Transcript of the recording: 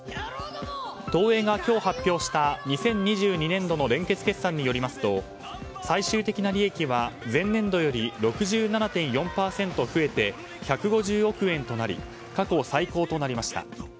東映が今日、発表した２０２２年度の連結決算によりますと最終的な利益は前年度より６７．４％増えて１５０億円となり過去最高となりました。